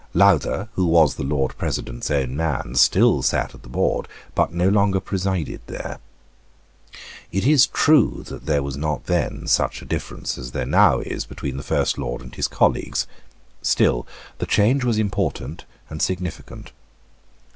Lowther, who was the Lord President's own man, still sate at the board, but no longer presided there. It is true that there was not then such a difference as there now is between the First Lord and his colleagues. Still the change was important and significant.